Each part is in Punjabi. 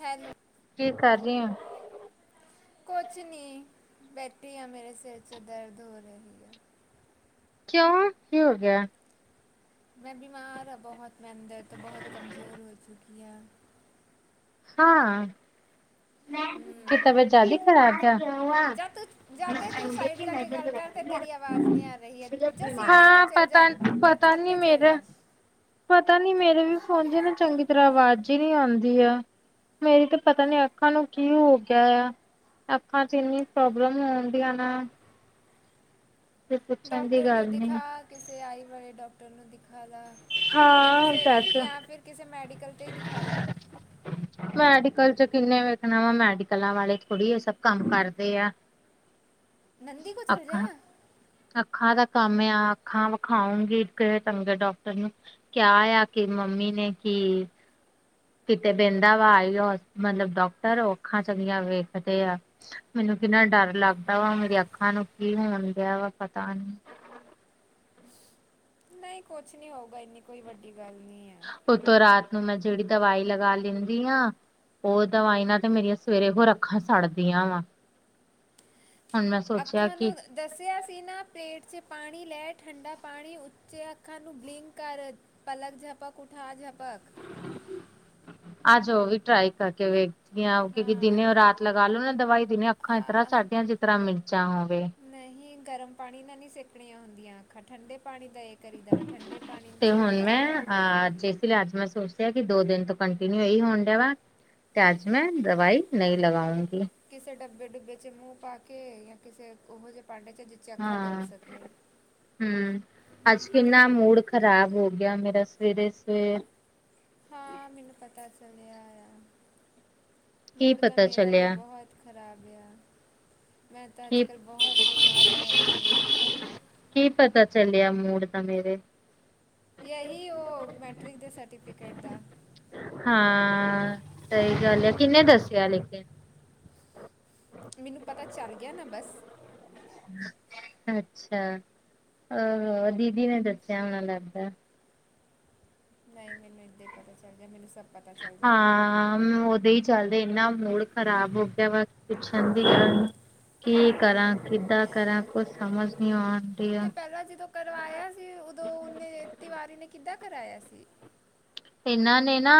ਹੈਲੋ। ਕੀ ਕਰ ਰਹੀ ਹੈ? ਕੁਛ ਨਹੀਂ ਬੈਠੇ ਆ, ਮੇਰੇ ਸਿਰ ਚ ਦਰਦ ਹੋ ਰਹੀ ਹੈ। ਕਿਉਂ ਕੀ ਹੋ ਗਿਆ- ਮੈਂ ਬਿਮਾਰ ਹਾਂ ਬਹੁਤ ਮੈਂ ਅੰਦਰ ਤੋਂ ਬਹੁਤ ਕਮਜ਼ੋਰ ਹੋ ਚੁੱਕੀ ਹੈ। ਹਾਂ। ਕਿ ਤਬੀਅਤ ਜਿਆਦਾ ਹੀ ਖਰਾਬ ਹੈ? ਹਾਂ ਪਤਾ ਪਤਾ ਨੀ ਤੇ ਚਲ ਮੇਰਾ ਜਾ ਪਤਾ ਨੀ, ਮੇਰੇ ਵੀ ਫੋਨ ਚ ਨਾ ਚੰਗੀ ਤਰ੍ਹਾਂ ਆਵਾਜ਼ ਹੀ ਨਹੀਂ ਆਉਂਦੀ ਆ ਮੇਰੀ ਤਾਂ ਪਤਾ ਨੀ ਆ ਅੱਖਾਂ ਨੂੰ ਕੀ ਹੋ ਗਿਆ ਆ ਅੱਖਾਂ ਚ ਇੰਨੀ ਪ੍ਰੋਬਲਮ ਹੋਨ ਦੀਆਂ ਨਾ। ਤੇ ਪੁੱਛਣ ਦੀ ਡਾਕਟਰ ਨੂੰ ਗੱਲ ਨੀ ਦਿਖਾ ਕਿਸੇ ਆਈ ਵਾਲੇ ਡਾਕਟਰ ਨੂੰ ਦਿਖਾ ਲਾ। ਜਾਂ ਹਾਂ ਕਿਸੇ ਦੱਸ ਜਾਂ ਫਿਰ ਕਿਸੇ ਮੈਡੀਕਲ ਤੇ ਹੀ ਦਿਖਾ ਲਾ। ਮੈਡੀਕਲ ਚ ਕਿੰਨੇ ਵੇਖਣਾ ਵਾ ਮੈਡੀਕਲਾਂ ਵਾਲੇ ਥੋੜੀ ਇਹ ਸਭ ਕੰਮ ਕਰਦੇ ਆ। [unintelligible] ਨੰਦੀ ਕੋਲ ਚਲ ਜਾ। ਅੱਖਾਂ ਅੱਖਾਂ ਦਾ ਕੰਮ ਆ, ਅੱਖਾਂ ਵਿਖਾਉਗੀ ਕਿਸੇ ਚੰਗੇ ਡਾਕਟਰ ਨੂੰ। ਕਿਆ ਆ ਕਿ ਮੰਮੀ ਨੇ ਕੀ ਕਿਤੇ ਬਹਿੰਦਾ ਵਾ ਆਈ ਮਤਲਬ ਡਾਕਟਰ ਔਖਾਂ ਚੰਗੀਆਂ ਵੇਖਦੇ ਆ। ਮੈਨੂੰ ਕਿੰਨਾ ਡਰ ਲੱਗਦਾ ਵਾ ਮੇਰੀ ਅੱਖਾਂ ਨੂੰ ਕੀ ਹੋਣ ਡਿਆ ਵਾ ਪਤਾ ਨੀ। ਨਹੀਂ ਕੁਛ ਨਹੀਂ ਹੋਊਗਾ ਇੰਨੀ ਕੋਈ ਵੱਡੀ ਗੱਲ ਨਹੀਂ ਹੈ। ਉਤੋਂ ਰਾਤ ਨੂੰ ਮੈਂ ਜਿਹੜੀ ਦਵਾਈ ਲਗਾ ਲੈਂਦੀ ਹਾਂ ਉਹ ਦਵਾਈ ਨਾ ਤੇ ਮੇਰੀਆਂ ਸਵੇਰੇ ਹੋਰ ਅੱਖਾਂ ਸੜਦੀਆਂ ਵਾ। ਹੁਣ ਮੈਂ ਸੋਚਿਆ ਅੱਖਾਂ ਨੂੰ ਕਿ ਦੱਸਿਆ ਸੀਨਾਂ ਪਲੇਟ 'ਚ ਪਾਣੀ ਲੈ ਠੰਡਾ ਪਾਣੀ ਉੱਥੇ ਅੱਖਾਂ ਨੂੰ ਬਲਿੰਕ ਕਰ। ਪਲਕ ਝਪਕ ਉਠਾ ਝਪਕ। ਅਜ ਉਹ ਵੀ ਟਰਾਈ ਕਰਕੇ ਵੇਖ। ਉ ਦਿਨ ਹਾਂ ਰਾਤ ਲਗਾ ਲੋ ਨਾ ਦਵਾਈ ਦਿਨ ਅੱਖਾਂ ਇਸ ਤਰ੍ਹਾਂ ਆ, ਸਾਡੀਆਂ ਜਿਸ ਤਰ੍ਹਾਂ ਮਿਰਚਾਂ ਹੋਵੇ। ਨਹੀਂ ਗਰਮ ਪਾਣੀ ਨਾਲ ਨਹੀਂ ਸੇਕਣੀਆਂ ਹੁੰਦੀਆਂ ਅਖਾ ਠੰਡੇ ਪਾਣੀ ਦਾ ਕਰੀ ਦਾਵਾ ਠੰਡੇ ਪਾਣੀ 'ਚ ਉਹਕਰ ਅਖਾਂ। ਹਾਂ ਠੀਕ। ਅੱਜ ਮੈਂ ਸੋਚਿਆ ਕਿ ਦੋ ਦਿਨ ਤੋਂ ਕੰਟੀਨਿਊ ਇਹੀ ਹੋਣ ਡ ਵਾ। ਤੇ ਅੱਜ ਮੈਂ ਦਵਾਈ ਨਹੀਂ ਲਗਾਉਂਗੀ। ਕਿਸੇ ਡੱਬੇ ਡੁੱਬੇ ਚ ਮੂੰਹ ਪਾ ਕੇ ਜਾਂ ਕਿਸੇ ਉਹੋ ਜਿਹੇ ਭਾਂਡੇ ਚ ਜਿੱਚ ਅੱਖਾਂ ਡੁੱਬ ਹਾਂ। ਸਕੇ ਹਮ ਅੱਜ ਕਿੰਨਾ ਮੂਡ ਖ਼ਰਾਬ ਹੋ ਗਿਆ ਮੇਰਾ ਸਵੇਰੇ ਸਵੇ ਹਾਂ ਮੈਨੂੰ ਪਤਾ ਚਲਿਆ ਆ ਕੀ ਮੂੜ ਤਾਂ ਪਤਾ ਮੇਰਾ ਵੀ ਚੱਲਿਆ ਬਹੁਤ ਖ਼ਰਾਬ ਗਿਆ ਮੈਂ ਤਾਂ ਅਜ ਕੀ ਕੱਲ੍ਹ ਬਹੁਤ ਬਿਮਾਰ ਰਹਿ ਰਹੀ ਹਾਂ। ਕੀ ਪਤਾ ਚੱਲਿਆ ਮੂਡ ਦਾ ਮੇਰੇ। ਇਹੀ ਉਹ ਮੈਟ੍ਰਿਕ ਦੇ ਸਰਟੀਫਿਕੇਟ ਦਾ ਹਾਂ ਸਹੀ ਗੱਲ ਆ ਕਿੰਨੇ ਦੱਸਿਆ ਲੇਕਿਨ ਮੈਨੂੰ ਪਤਾ ਚੱਲ ਗਿਆ ਨਾ ਬਸ। ਅੱਛਾ। ਅ ਦੀਦੀ ਨੇ ਦੱਸਿਆ ਹੋਣਾ ਲੱਗਦਾ। ਨਹੀਂ ਮੈਨੂੰ ਏਦੀ ਪਤਾ ਚੱਲ ਗਿਆ ਮੈਨੂੰ ਸਭ ਪਤਾ ਚੱਲ ਜਾਂਦਾ ਹੈ ਹਾਂ। ਉਦੇ ਹੀ ਚੱਲਦੇ ਇਨਾ ਮੂਡ ਖ਼ਰਾਬ ਹੋ ਗਿਆ ਵਾ ਪੁੱਛਣ ਦੀ ਕੀ ਕਰਾਂ ਕਿੱਦਾਂ ਕਰਾਂ ਕੁਛ ਸਮਝ ਨੀ ਆਉਣ ਤੇ ਪਹਿਲਾਂ ਜਦੋਂ ਕਰਵਾਇਆ ਸੀ ਉਦੋਂ ਉਹਨੇ ਤਿਵਾਰੀ ਨੇ ਕਿੱਦਾਂ ਕਰਾਇਆ ਸੀ। ਇਹਨਾਂ ਨੇ ਨਾ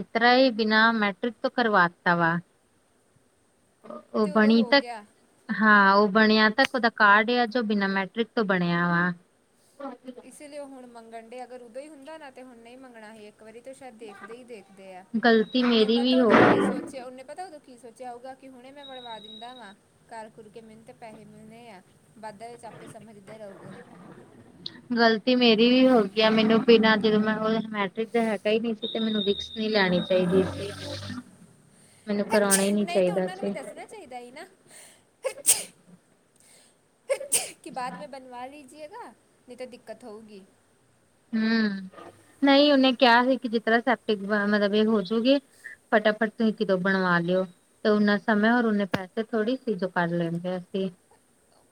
ਇਤਰਾ ਹੀ ਬਿਨਾਂ ਮੈਟ੍ਰਿਕ ਤੋਂ ਕਰਵਾ ਦਿੱਤਾ ਵਾ। ਉਹ ਤੇ ਉਦੋਂ ਬਣੀ ਹੋ ਤ ਗਿਆ ਹਾਂ ਉਹ ਬਣਿਆ ਤਾਂ ਕੁਦਾ ਕਾਰਡ ਜੋ ਬਿਨਾਂ ਮੈਟ੍ਰਿਕ ਤੋਂ ਬਣਿਆ ਵਾ। ਇਸ ਲਈ ਉਹ ਹੁਣ ਮੰਗਣ ਡੇ ਅਗਰ ਉਦੋਂ ਹੀ ਹੁੰਦਾ ਨਾ ਤੇ ਹੁਣ ਨਹੀਂ ਮੰਗਣਾ ਹੀ ਇੱਕ ਵਾਰੀ ਤਾਂ ਸ਼ਾਇਦ ਦੇਖਦੇ ਹੀ ਦੇਖ ਗ਼ਲਤੀ ਨੇ ਮੇਰੀ ਵੀ ਪਤਾ ਹੋ ਉਦੋਂ ਕੀ ਗਈ ਸੋਚ ਉਹਨੇ ਪਤਾ ਉਦੋਂ ਕੀ ਸੋਚਿਆ ਹੋਊਗਾ ਕਿ ਹੁਣੇ ਮੈਂ ਵਣਵਾ ਦਿੰਦਾ ਵਾਂ। ਘਰ ਖੁਰ ਕੇ ਮੈਨੂੰ ਤੇ ਪੈਸੇ ਮਿਲਣੇ ਆ ਬਾਧਾਂ ਵਿੱਚ ਆਪੇ ਸਮਝਦੇ ਰਹੋਗੇ। ਗ਼ਲਤੀ ਮੇਰੀ ਵੀ ਹੋ ਗਈ ਆ ਮੈਨੂੰ ਬਿਨਾਂ ਜਦੋਂ ਮੈਂ ਹੋ ਮ ਜਿਦ ਹੈਗਾ ਹੀ ਨਹੀਂ ਸੀ ਤੇ ਮੈਨੂੰ ਵਿਕਸ ਨਹੀਂ ਲੈਣੀ ਚਾਹੀਦੀ ਸੀ। ਮੈਨੂੰ ਕਰਾਉਣਾ ਹੀ ਨੀ ਚਾਹੀਦਾ ਸੀ। ਨਾ ਚਾਹੀਦਾ ਸੀ ਨਾ [inaudible] [inaudible] ਕਿ ਬਾਅਦ ਮੈਂ ਬਣਵਾ ਲੀਜਏਗਾ ਨਹੀਂ ਤਾਂ ਦਿੱਕਤ ਹੋਊਗੀ। ਹੂੰ ਨਹੀਂ ਉਹਨੇ ਕਿਹਾ ਸੀ ਕਿ ਜਿਸ ਤਰ੍ਹਾਂ ਸੈਪਟਿਕ ਮਤਲਬ ਇਹ ਹੋਜੂਗੀ। ਫਟਾਫਟ ਤੁਸੀਂ ਕਿਦੋਂ ਬਣਵਾ ਲਿਓ। ਤੇ ਉਹਨਾ ਸਮੇਂ ਰ ਨੇ ਪੈਸੇ ਥੋੜ੍ਹੀ ਸੀ ਜੋ ਕਰ ਲੈਣਗੇ ਅਸੀਂ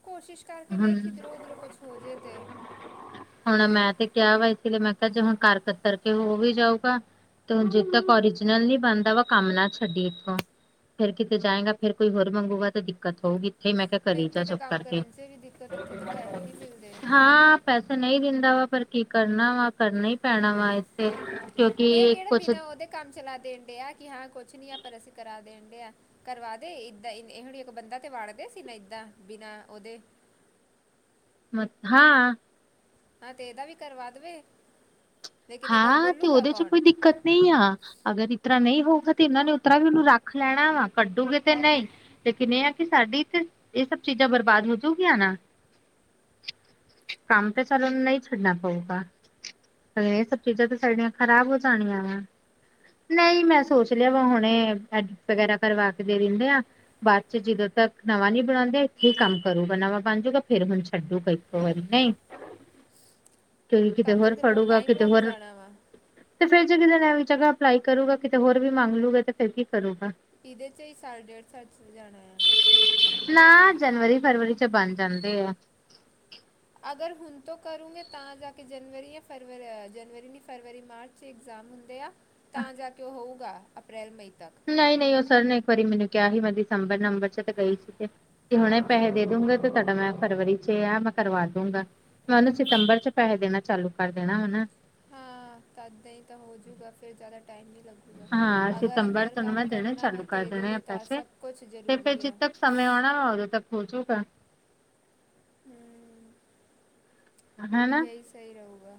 ਕੋਸ਼ਿਸ਼ ਕਰਕੇ ਹੁਣ, ਵੇਖ ਇਧਰੋਂ ਉਧਰੋਂ ਕੁਛ ਹੋ ਜੇ ਤੇ ਹੁਣ ਮੈਂ ਤੇ ਕਿਹਾ ਵਾ ਇਸ ਲਈ ਮੈਂ ਕਿਹਾ ਜੇ ਹੁਣ ਕਰ ਕਤਰ ਕੇ ਹੋ ਵੀ ਜਾਊਗਾ। ਜਦੋਂ ਤੱਕ ਓਰੀਜਨਲ ਨ ਬਣਦਾ ਵਾ ਕੰਮ ਨਾ ਛੱਡੀ ਇੱਥੋਂ ਫੇਰ ਕਿਤੇ ਜਾਏਗਾ ਫੇਰ ਕੋ ਹੋਰ ਮੰਗੂਗਾ ਤਾਂ ਦਿੱਕਤ ਹੋਊਗੀ ਇੱਥੇ ਮੈਂ ਕਿਹਾ ਤੇ ਕਰੀ ਜਾ ਇੱਥੇ ਤੇ ਚੁੱਪ ਕੰਮ ਕਰਕੇ ਕਰਨ 'ਚ ਵੀ ਦਿੱਕਤ ਇੱਥੇ ਤੇ ਪੈਸੇ ਨਹੀਂ ਮਿਲਦੇ ਹਾਂ। ਪੈਸੇ ਨਹੀਂ ਦਿੰਦਾ ਵਾ ਪਰ ਕੀ ਕਰਨਾ ਵਾ ਕਰਨਾ ਹੀ ਪੈਣਾ ਵਾ ਏ। ਤੇ ਕਿਉਂਕਿ ਇਹ ਇੱਕ ਕਿਹੜਾ ਕੁਛ ਬਿਨਾ ਉਹਦੇ ਕੰਮ ਚਲਾ ਦੇਣ ਡਿਆ ਕਿ ਹਾਂ ਕੁਛ ਨੀ ਆ ਪਰ ਅਸੀਂ ਕਰਾ ਦੇਣ ਡਿਆ। ਕਰਵਾ ਦੇ ਏਦਾਂ ਇਹ ਹੁ ਇੱਕ ਬੰਦਾ ਤੇ ਵੜਦੇ ਸੀ ਨਾ ਏਦਾਂ ਬਿਨਾ ਉਹਦੇ ਮ ਹਾਂ। ਹਾਂ ਤੇ ਇਹਦਾ ਵੀ ਕਰਵਾ ਦੇਵੇ। ਲੇਕਿਨ ਇਹ ਗੱਲ ਹਾਂ ਤੇ ਬੋਲੂਗਾ ਉਹਦੇ 'ਚ ਕੌਣ ਕੋਈ ਦਿੱਕਤ ਨਹੀਂ ਆ। ਅਗਰ ਇਤਰ ਨਹੀਂ ਹੋਊਗਾ ਤੇ ਇਹਨਾਂ ਨੇ ਉਤਰਾ ਵੀ ਉਹਨੂੰ ਰੱਖ ਲੈਣਾ ਵਾ ਕੱਢੂਗੇ ਤੇ ਨਹੀਂ। ਲੇਕਿਨ ਇਹ ਆ ਕਿ ਸਾਡੀ ਤੇ ਇਹ ਸਭ ਚੀਜ਼ਾਂ ਬਰਬਾਦ ਹੋਜੂਗੀਆਂ ਨਾ। ਕੰਮ ਤਾਂ ਚਲਣ ਨਹੀਂ ਛਡਣਾ ਭਊਗਾ। ਲਗ ਇਹ ਸਭ ਚੀਜ਼ਾਂ ਸਾਡੀਆਂ ਖਰਾਬ ਹੋ ਜਾਣੀਆਂ ਵਾ। ਨਹੀਂ ਮੈਂ ਸੋਚ ਲਿਆ ਵਾ ਹੁਣੇ ਐਡਿਟ ਵਗੈਰਾ ਕਰਵਾ ਕੇ ਦੇ ਦਿੰਦੇ ਆ। ਬਾਅਦ 'ਚ ਜਦੋਂ ਤੱਕ ਨਵਾਂ ਨੀ ਬਣਾਉਂਦੇ ਇੱਥੇ ਹੀ ਕੰਮ ਕਰੂਗਾ ਨਵਾਂ ਬਣਜੂਗਾ ਫੇਰ ਹੁਣ ਛੱਡੂਗਾਈ। ਹੋਰ ਨਹੀਂ ਕਿਉਕਿ ਕਿਤੇ ਤਦ ਤੱਕ ਹੋਰ ਤੇ ਬਹੁਤ ਫੜੂਗਾ ਟਾਈਮ ਕਿਤੇ ਲੱਗ ਹੋਰ ਜਾਣਾ ਵਾ ਤੇ ਫੇਰ ਜੇ ਕਿ ਜਗ੍ਹਾ ਅਪਲਾਈ ਕਰੂਗਾ ਕਿਤੇ ਹੋਰ ਵੀ ਮੰਗ ਲੂਗਾ ਤੇ ਫਿਰ ਕੀ ਕਰੂਗਾ। ਇਹਦੇ 'ਚ ਹੀ ਸਾਲ ਡੇਢ ਸਾਲ ਚਲਾ ਜਾਣਾ ਆ। ਨਾ ਜਨਵਰੀ ਫਰਵਰੀ 'ਚ ਬਣ ਜਾਂਦੇ ਆ। ਅਗਰ ਹੁਣ ਤੋਂ ਕਰੂੰਗੇ ਤਾਂ ਜਾ ਕੇ ਜਨਵਰੀ ਜਾਂ ਫਰਵਰੀ ਜਨਵਰੀ ਨਹੀਂ ਫਰਵਰੀ ਮਾਰਚ ਛੇ ਇਗਜ਼ਾਮ ਹੁੰਦੇ ਆ ਤਾਂ ਜਾ ਕੇ ਉਹ ਹੋਊਗਾ ਅਪ੍ਰੈਲ ਮਈ ਤੱਕ ਨਹੀਂ ਨਹੀਂ ਉਹ ਸਰ ਨੇ ਇੱਕ ਵਾਰੀ ਮੈਨੂੰ ਕਿਹਾ ਸੀ ਮੈਂ ਦਸੰਬਰ ਨੰਬਰ ਚ ਤੇ ਗਈ ਸੀ ਤੇ ਜ ਹੁਣੇ ਪੈਸੇ ਦੇ ਦੂਗੇ ਤੇ ਤੁਹਾਡਾ ਮੈਂ ਫਰਵਰੀ ਚ ਆ ਮੈਂ ਕਰਵਾ ਦੂੰਗਾ ਉਹਨੂੰ ਸਤੰਬਰ 'ਚ ਪੈਸੇ ਦੇਣਾ ਚਾਲੂ ਕਰ ਦੇਣਾ ਹਨਾ। ਹਾਂ ਤਦਾਂ ਹੀ ਤਾਂ ਹੋਜੂਗਾ ਫੇਰ ਜ਼ਿਆਦਾ ਟਾਈਮ ਨਹੀਂ ਲੱਗਦਾ। ਹਾਂ ਅਗਰ ਸਤੰਬਰ ਅੰਦਰ ਤੁਹਾਨੂੰ ਕੰਮ ਮੈਂ ਦੇਣੇ ਕਰਨਾ ਹੋਵੇ ਚਾਲੂ ਤਾਂ ਕਰ ਇਹਦੇ ਲਈ ਤਾਂ ਸਭ ਕੁਛ ਜ਼ਰੂਰੀ ਆ। ਸਮੇ ਆਉਣਾ ਉਦੋਂ ਤੱਕ ਪਹੁੰਚੋਗਾ। ਹੂੰ ਹਨਾ। ਇਹੀ ਸਹੀ ਰਹੂਗਾ।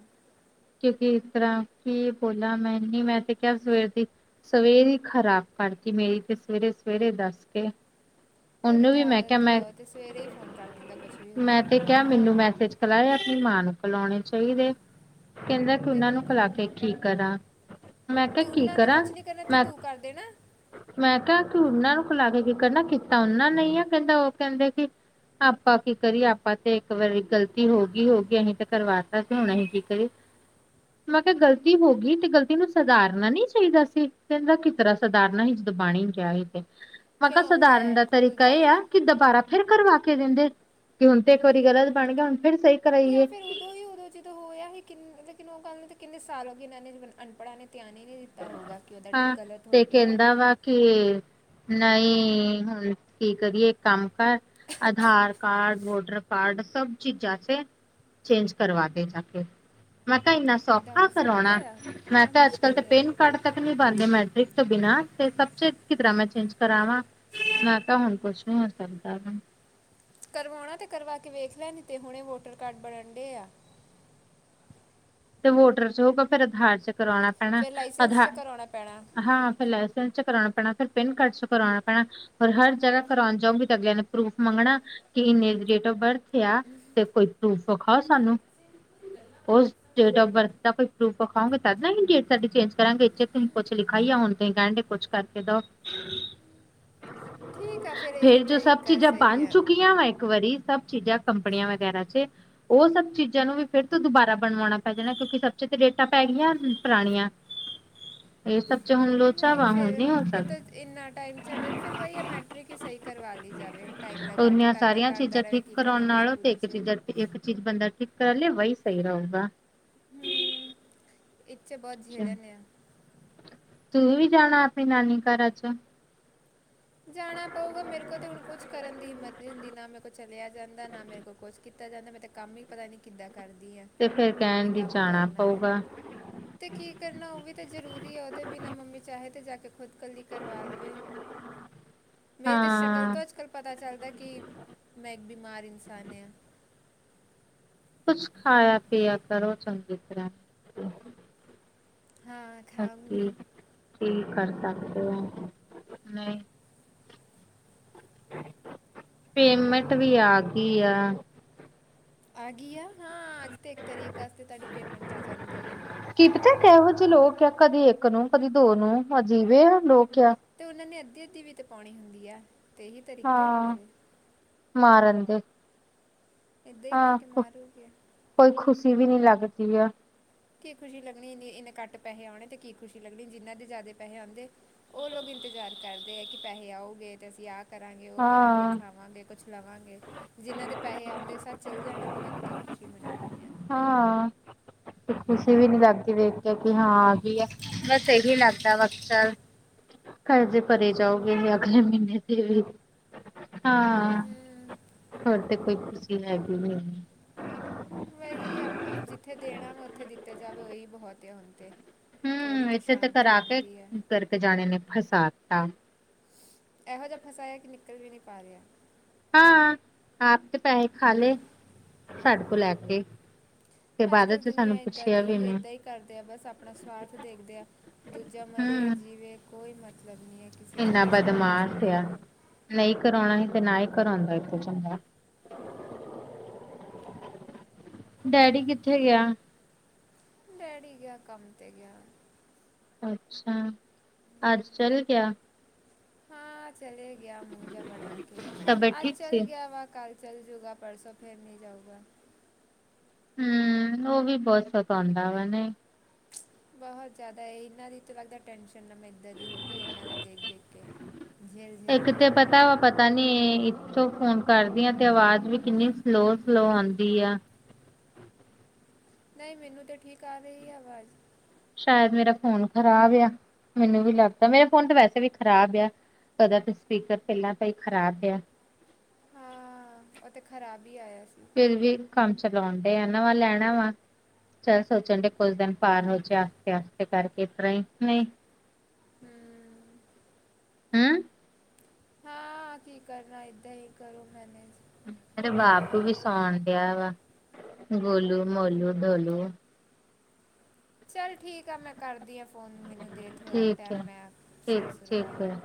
ਕਿਉਂਕਿ ਇਸ ਤਰ੍ਹਾਂ ਕੀ ਬੋਲਾ ਮੈਂ ਨਹੀਂ ਮੈਂ ਤੇ ਕਿਹਾ ਸਵੇਰ ਦੀ ਸਵੇਰੇ ਹੀ ਖ਼ਰਾਬ ਕਰਤੀ ਮੇਰੀ ਤੇ ਸਵੇਰੇ- ਸਵੇਰੇ ਦੱਸ ਕੇ ਉਹਦੀ ਉਹਨੂੰ ਤੇ ਵੀ ਮੈਂ ਕਿਹਾ ਆਦਤ ਹੀ ਮੈਂ ਆ ਉਹ ਤੇ ਸਵੇਰੇ ਹੀ ਫੋਨ ਕਰ ਦਿੰਦਾ ਕੁਛ ਵੀ ਹੁੰਦਾ ਮੈਂ ਵਾ। ਤੇ ਕਿਹਾ ਮੈਨੂੰ ਮੈਸੇਜ ਕਲਾਇਆ ਆਪਣੀ ਮਾਂ ਨੂੰ ਕਲਾਉਣੇ ਚਾਹੀਦੇ ਕਹਿੰਦਾ ਕਿ ਤੇ ਉਹਨਾਂ ਕੀ ਨੂੰ ਖਿਲਾ ਕਹਿੰਦਾ ਕੇ ਕੀ ਕਰਾਂ ਮੈਂ ਤੇ ਕਿਹਾ ਕੀ ਉਹਨਾਂ ਨੇ ਕਰਾਂ ਕੁਝ ਨਹੀਂ ਕਰਨਾ ਤੇ ਮੈਂ ਤੂੰ ਕਰ ਦੇਣਾ ਮੈਂ ਕਿਹਾ ਕਿ ਉਹਨਾਂ ਨੂੰ ਖੁਲਾ ਕੇ ਜਿਕਰ ਨਾ ਕੀਤਾ ਉਹਨਾ ਨਹੀਂ ਆ ਕਹਿੰਦਾ ਉਹ ਕਹਿੰਦੇ ਕਿ ਆਪਾਂ ਕੀ ਕਰੀਏ ਆਪਾਂ ਤੇ ਇੱਕ ਵਾਰੀ ਗ਼ਲਤੀ ਹੋ ਗਈ ਹੋ ਗਈ ਅਸੀਂ ਤੇ ਕਰਵਾਤਾ ਸੀ ਹੁਣ ਅਸੀਂ ਕੀ ਕਰੀਏ ਮੈਂ ਕਿਹਾ ਗ਼ਲਤੀ ਹੋ ਗਈ ਤੇ ਗਲਤੀ ਨੂੰ ਸੁਧਾਰਨਾ ਨ ਚਾਹੀਦਾ ਸੀ ਕਿੰਦਾ ਕਿ ਤਰ੍ਹਾਂ ਸਧਾਰਨਾ ਹੀ ਦਬਾਣੀ ਗਿਆ ਸੀ ਤੇ ਮੈਂ ਕਿਹਾ ਕਿਉਂ ਲੈ ਸਧਾਰਨ ਦਾ ਆ ਕੋਈ ਤਰੀਕਾ ਇਹ ਗੱਲ ਆ ਕਿ ਦੁਬਾਰਾ ਫਿਰ ਕਰਵਾ ਕੇ ਦਿੰਦੇ ਕਿ ਹੁਣ ਤੇ ਇੱਕ ਵਾਰੀ ਗਲਤ ਬਣ ਗਿਆ ਹੁਣ ਫਿਰ ਸਹੀ ਜਾਂ ਕਰਾਈਏ ਫਿਰ ਉਦੋਂ ਹੀ ਉਦੋਂ ਜਦੋਂ ਹੋਇਆ ਹੀ ਕਿੰ ਲੇਕਿਨ ਉਹ ਗੱਲ ਨੂੰ ਤੇ ਕਿੰਨੇ ਸਾਲ ਹੋ ਗਏ ਇਹਨਾਂ ਨੇ ਅਨਪੜ੍ਹਾਂ ਨੇ ਧਿਆਨ ਹੀ ਨਈ ਦਿੱਤਾ ਪਤਾ ਹੋਊਗਾ ਕਿ ਉਹਦਾ ਹਾਂ ਗਲਤ ਹੋ ਤੇ ਗਿਆ ਕਹਿੰਦਾ ਵਾ ਕਿ ਨਹੀਂ ਹੁਣ ਕੀ ਕਰੀਏ ਕੰਮ ਕਰ ਆਧਾਰ ਕਾਰਡ ਵੋਟਰ ਕਾਰਡ ਸਭ ਚੀਜ਼ ਜਾਸ ਚੇਂਜ ਕਰਵਾ ਦੇ ਜਾ ਕੇ ਮੈਂ ਕਿਹਾ ਇੰਨਾ ਇਹਦਾ ਸੌਖਾ ਹੋ ਸਕਦਾ ਕਰਾਉਣਾ ਆ ਮੈਂ ਕਿੰਨਾ ਕਿਹਾ ਅੱਜ ਕੱਲ ਤੇ ਮੁਸ਼ਕਿਲ ਆ ਕ ਤੱਕ ਨਹੀਂੀ ਬਣਦੇ ਮੈਟ੍ਰਿਕ ਤੋਂ ਬਿਨਾਂ ਤੇ ਸਭ ਚ ਕਿਰ ਮੈਂ ਚੇਂਜ ਕਰਾਵਾਂ ਮੈਂ ਤਾਂ ਹੁਣ ਕੁਛ ਨ ਹੋ ਸਕਦਾ ਵ ਕਰਵਾਉਣਾ ਅਤੇ ਕਰਵਾ ਕੇ ਵੇਖ ਲੈਦੀ ਅਤੇ ਹੁਣੇ ਵੋਟਰ ਕਾਰਡ ਬਣਨ ਡੇ ਆ ਤੇ ਵੋਟਰ ਚ ਹੋਊਗਾ ਫਿਰ ਆਧਾਰ ਚ ਕਰਵਾਉਣਾ ਫਿਰ ਲਾਇਸੈਂਸ ਤੇ ਕਰਾਉਣਾ ਪੈਣਾ ਹਾਂ ਫਿਰ ਲਸੈਂਸ ਚ ਕਰਉਣਾ ਪੈਣਾ ਫਿਰ ਪਿੰਨ ਕਾਰਡ ਚ ਕਰਵਾਉਣਾ ਪੈਣਾ ਫਰ ਹਰ ਜਗ੍ਹਾ ਕਰਾਉਣ ਜਾਉਗੀ ਤਾਂ ਅਗਲਿਆਂ ਨੂੰ ਪ੍ਰੂਫ ਮੰਗਣਾ ਕਿ ਇੰਨੇ ਦੀ ਡੇਟ ਆਫ ਬਰਥ ਆ ਤੇ ਕੋਈ ਪ੍ਰੂਫ ਵਿਖਾਓ ਸਾਨੂੰ ਉਸ ਡੇਟ ਫ ਬਰਥ ਦਾ ਕੋਈ ਪ੍ਰੂਫ ਵਿਖਾਓਗੇ ਤਦ ਨਾ ਹੀ ਡੇਟ ਸਾਡੀ ਚੇਂਜ ਕਰਾਂਗੇ ਇੇ ਤੁਸੀਂ ਕੁਛ ਲਿਖਾ ਹੀ ਆ ਹੁਣ ਹੀ ਕਹਿਣ ਡਗੇ ਕੁਛ ਕਰਕੇ ਦੋ ਠੀਕ ਆ ਫਿਰ ਇਹੀ ਫਰ ਜੋ ਸਭ ਤਰੀਕਾ ਚੀਜ਼ਾਂ ਸਹੀ ਬਣ ਆ ਚੁੱਕੀਆਂ ਵਾ ਇੱਕ ਵਾਰੀ ਸਭ ਚੀਜ਼ਾਂ ਕੰਪਨੀਆਂ ਵਗੈਰਾ ਚ ਉਹ ਸਭ ਚੀਜ਼ਾਂ ਨੂੰ ਵੀ ਫਿਰਰ ਤੂੰ ਦੁਬਾਰਾ ਬਣਵਾਉਣਾ ਪੈ ਜਾਣਾ ਕਿਉਂਕਿ ਸਬ ਚ ਤੇ ਡੇਟਾਂ ਪੈ ਗਆਂ ਪੁਰਾਣੀਆਂ ਇਹ ਸਭ ਚ ਹੁਣ ਨਹੀਂ ਵਾ ਹੁਣ ਫਿਰ ਨੀ ਹੋ ਇਹ ਤੋਂ ਸਕਦਾ ਇੰਨਾ ਟਾਈਮ ਛੱਡਣ ਫਿਰ ਵਹੀ ਆ ਮੈਟਰ੍ਰਿਕ ਹੀ ਸਹੀ ਕਰਵਾ ਲਈ ਜਾਵੇ ਟਾਈਮ ਲਗਾ ਕੇ ਓਨੀਆਂ ਤਦ ਤੱਕ ਸਾਰੀਆਂ ਘਰ ਦਾ ਚੀਜ਼ਾਂ ਰਹੇ ਠੀਕ ਕੀ ਕਰਾਉਣ ਕਰਨਾ ਨਾਲੋਂ ਤੇ ਮਜ਼ਬੂਰੀ ਇੱਕ 'ਚ ਚੀਜ਼ਾਂ ਇੱਕ ਚੀਜ਼ ਬੰਦਾ ਠੀਕ ਕਰਾ ਲਿਆ ਵਹੀ ਸਹੀ ਰਹੇਗਾ ਹੂੰ ਇੱਥੇ ਬਹੁਤ ਝੇਲਨੇ ਆ ਤੂੰ ਵੀ ਜਾਣਾ ਆਪਣੀ ਨਾਨੀ ਘਰਾ ਚ ਜਾਣਾ ਪਊਗਾ ਮੇਰੇ ਕੋਲ ਅਤੇ ਹੁਣ ਕੁਝ ਕਰਨ ਦੀ ਹਿੰਮਤ ਜਦੀ ਨਾ ਮੇਰੇ ਕੋਲ ਚਲਿਆ ਜਾਂਦਾ ਨਾ ਮੇਰੇ ਕੋਲ ਕੁਛ ਕੀਤਾ ਜਾਂਦਾ ਮੈਂ ਤਾਂ ਕੰਮ ਹੀ ਪਤਾ ਨਹੀਂ ਕਿੱਦਾਂ ਕਰਦੀ ਹਾਂ ਤੇ ਫੇਿਰ ਕਹਿਣ ਵੀ ਜਾਣਾ ਪਊਗਾ। ਤੇ ਕੀ ਕਰਨਾ ਉਹ ਵੀ ਤਾਂ ਜਰੂਰੀ ਹੈ ਉਹਦੇ ਬਿਨਾ ਮੰਮੀ ਚਾਹੇ ਤੇ ਜਾ ਕੇ ਖੁਦਕਲੀ ਕਰਵਾ ਲਵੇ। ਮੇਰੀ ਤਾਂ ਸ਼ਕਲ ਹਾਂ ਤੋਂ ਅੱਜ, ਕੱਲ੍ਹ ਪਤਾ ਚੱਲਦਾ ਕਿ ਮੈਂ ਇੱਕ ਬਿਮਾਰ ਇਨਸਾਨ ਹਾਂ। ਕੁਛ ਖਾਇਆ ਪੀਿਆ ਕਰੋ ਚੰਗੀ ਤਰ੍ਹਾਂ। ਹਾਂ। ਹ ਖਾਉਂਗੀ ਕੀ ਕਰ ਸਕਦੇ ਹੋ ਨਹੀਂ ਪੇਮੈਂਟ ਵੀ ਆ ਗਈ ਆ। ਆ ਗਈ ਆ। ਹਾਂ, ਅੱਜ ਤਾਂ ਇੱਕ ਤਰੀਕ ਆਸਤੇ ਤੁਹਾਡੀ ਪੇਮੈਂਟ ਆ ਜਾਂਦੀ ਆ। ਕੀ ਪਤਾ ਕਿਹੋ ਜਿਹੇ ਲੋਕ ਆ ਕਦੀ ਇੱਕ ਨੂੰ, ਕਦੀ ਦੋ ਨੂੰ ਅਜੀਿਵੇ ਆ ਲੋਕ ਆ ਅਤੇ ਉਹਨਾਂ ਨੇ ਅੱਧੀ, ਅੱਧੀ ਵੀ ਤੇ ਪਾਉਣੀ ਹੁੰਦੀ ਹੈ। ਹਾਂ ਮਾਰਨਦੇ ਇੱਦਾਂ ਹੀ ਕਰਕੇ ਮਾਰੂਗੇ ਕੋਈ ਖੁਸ਼ੀ ਵੀ ਨੀ ਲੱਗਦੀ ਹੈ ਕੀ ਖੁਸ਼ੀ ਲੱਗਣੀ ਇਨੇ ਘੱਟ ਪੈਸੇ ਆਉਣੇ। ਤੇ ਕੀ ਖੁਸ਼ੀ ਲੱਗਣੀ ਜਿੰਨਾ ਦੇ ਜ਼ਿਆਦਾ ਪੈਸੇ ਆਉਂਦੇ। ਉਹ ਲੋਕ ਇੰਤਜ਼ਾਰ ਕਰਦੇ ਹੈ। ਕਿ ਪੈਸੇ ਆਉਗੇ। ਤੇ ਅਸੀਂ ਆਹ ਕਰਾਂਗੇ ਉਹ ਕਰਾਂਗੇ ਹਾਂ ਖਾਵਾਂਗੇ ਕੁਛ। ਲਵਾਂਗੇ। ਜਿਨ੍ਹਾਂ ਦੇ ਪੈਸੇ ਆਉਂਦੇ ਸਾਥ ਚੱਲ ਜਾਣੇ ਉਹਨਾਂ ਨੇ ਕੀ ਖੁਸ਼ੀ ਮਨਾਉਣੀ ਐ। ਹਾਂ। ਤੇ ਖੁਸ਼ੀ ਵੀ ਨੀ ਲੱਗਦੀ ਵੇਖ ਕੇ ਕਿ ਹਾਂ ਆ ਗਈ ਏ, ਬਸ ਇਹੀ ਲੱਗਦਾ ਅਕਸਰ ਕਰਜ਼ੇ ਭਰੇ ਜਾਓਗੇ। ਅਗਲੇ ਮਹੀਨੇ ਤੇ ਵੀ, ਹਾਂ। ਹੂੰ ਹੋਰ ਤੇ ਕੋਈ ਖੁਸ਼ੀ ਹੈਗੀ ਨੀ। ਵਹੀ, ਜਿੱਥੇ ਦੇਣਾ ਵਾ ਉੱਥੇ ਦਿੱਤਾ ਜਾਵੇ ਉਹੀ ਬਹੁਤ ਆ ਹੁਣ ਤੇ ਥੋੜੀ ਹੂੰ, ਇੱਥੇ ਤੇ ਕਰ ਸ਼ਾਂਤੀ ਆ ਕੇ ਹੁੰਦੀ ਹੈ ਟਰਕੇ ਜਾਣੇ ਨੇ ਫਸਾ ਦਿੱਤਾ ਇਹੋ ਜਿਹਾ ਫਸਾਇਆ ਕਿ ਨਿਕਲ ਵੀ ਨਹੀਂ ਪਾ ਰਿਹਾ। ਹਾਂ, ਆਪ ਤੇ ਪੈਸੇ ਖਾ ਲਏ, ਸਾਡੇ ਕੋ ਲੈ ਕੇ ਤੇ ਬਾਅਦ ਅੱਜ-ਕੱਲ੍ਹ ਚ ਸਾਨੂੰ ਦੁਨੀਆਂ ਏਦਾਂ ਪੁੱਛਿਆ ਦੀ ਵੀ ਹੀ, ਨੀ ਏਦਾਂ ਹੀ ਕਰਦੇ ਆ ਬਸ ਆਪਣਾ ਸਵਾਰਥ ਦੇਖਦੇ ਆ। ਦੂਜਾ ਮਰੇ ਹੂੰ ਜਿਵੇਂ ਕੋਈ ਮਤਲਬ ਨਹੀਂ ਹੈ ਕਿਸੇ ਨਾ ਇੰਨਾ ਕਿਸੇ ਨੂੰ ਕੁਛ ਵੀ ਬਦਮਾਸ਼ ਆ ਹੋਵੇ। ਨਹੀਂ ਕਰਾਉਣਾ ਸੀ ਤੇ ਨਾ ਹੀ ਕਰਾਉਂਦਾ ਇੱਥੇ ਚੰਗਾ। ਡੈਡੀ ਕਿੱਥੇ ਗਿਆ। ਡੈਡੀ ਗਿਆ, ਕੰਮ ਤੇ ਗਿਆ। ਅੱਛਾ, ਅੱਜ ਚੱਲ ਗਿਆ। ਹਾਂ ਚਲੇ ਗਿਆ, ਮੋਜਾ ਬਣਾ ਕੇ ਤਬੀਅਤ ਅੱਜ ਠੀਕ ਸੀ ਚਲ ਗਿਆ ਵਾ ਕੱਲ। ਚੱਲ ਜੂਗਾ ਪਰਸੋਂ ਫਿਰ ਨਹੀਂ ਜਾਉਗਾ। ਹੂੰ, ਉਹ ਵੀ ਬਹੁਤ ਸਤਾਦਾ ਵੇ ਨੀ। ਬਹੁਤ ਜ਼ਿਆਦਾ, ਇਹਨਾਂ ਦੀ ਤਾਂ ਲੱਗਦਾ ਟੈਨਸ਼ਨ ਨਾ ਮੈਨੂੰ। ਇਦਾਂ ਦੀ ਹੋ ਗਈ ਇੰਨਾਂ ਦਾ ਦੇਖ-ਦੇਖ ਕੇ ਝੇਲ-ਝੇਲ ਕੇ ਤਾਂ ਵਾ ਪਤਾ ਨੀ ਇੱਥੋਂ ਫੋਨ ਕਰਦੀ ਆ ਤੇ ਆਵਾਜ਼ ਵੀ ਕਿੰਨੀ ਸਲੋ-ਸਲੋ ਆਦੀ ਆ। ਨਹੀਂ ਮੈਨੂੰ ਤਾਂ ਠੀਕ ਆ ਰਹੀ ਹੈ ਆਵਾਜ਼। ਸ਼ਾਇਦ ਮੇਰਾ ਫੋਨ ਖ਼ਰਾਬ ਆ, ਮੈਨੂੰ ਵੀ ਲੱਗਦਾ, ਮੇਰਾ ਫੋਨ ਤਾਂ ਵੈਸੇ ਵੀ ਖ਼ਰਾਬ ਆ। ਕਦਾ ਤਾਂ ਸਪੀਕਰ ਪਹਿਲਾਂ ਤਾਂ ਹੀ ਖ਼ਰਾਬਿਆ। ਹਾਂ ਉਤੇ ਖ਼ਰਾਬ ਹੀ ਆਇਆ ਸੀ। ਫਿਰ ਵੀ ਕੰਮ ਚਲਾਉਣ ਡਏ ਆ, ਨਵਾਂ ਲੈਣਾ ਵਾ। ਚੱਲ ਸੋਚਣ ਡਏ ਕੁਝ ਦਿਨ ਪਾਰ ਹੋ ਜਾ ਸਤੇ ਕਰਕੇ ਇਸ ਤਰ੍ਹਾਂ ਹੀ ਨਹੀਂ। ਹੂੰ। ਹਮ। ਹਾਂ, ਕੀ ਕਰਨਾ ਇੱਧਾਂ ਹੀ ਕਰੋ ਮੈਨੇਜ। ਮੇਰੇ ਬਾਪੂ ਵੀ ਸੌਣ ਡਿਆ ਵਾ, ਗੋਲੂ, ਮੋਲੂ, ਡੋਲੂ। ਚੱਲ ਠੀਕ ਆ। ਮੈਂ ਕਰਦੀ ਹਾਂ ਫੋਨ ਮੈਨੂੰ ਦੇ ਥੋੜ੍ਹਾ ਠੀਕ ਹੈ ਟਾਈਮ, ਸਿਰ ਠੀਕ ਸੁਰ ਵਾ ਠੀਕ ਲਾਂਵਾ। ਹੈ